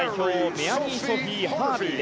メアリー・ソフィー・ハービー。